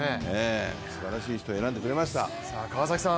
すばらしい人を選んでくれました。